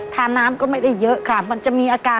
ทาน้ำก็ไม่ได้เยอะค่ะมันจะมีอาการ